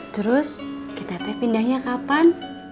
terus kita teh pindahnya kapan